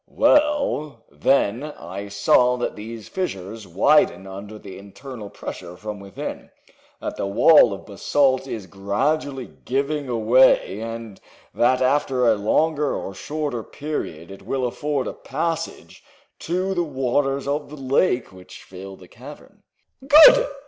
"Well, then, I saw that these fissures widen under the internal pressure from within, that the wall of basalt is gradually giving way and that after a longer or shorter period it will afford a passage to the waters of the lake which fill the cavern." "Good!"